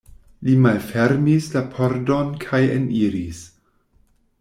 Li malfermis la pordon kaj eniris.